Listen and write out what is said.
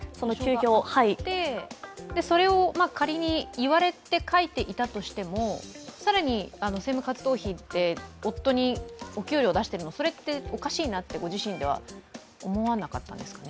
それを仮に言われて書いたとしても更に、政務活動費って夫にお給料を出しているのそれっておかしいなってご自身では思わなかったんですかね。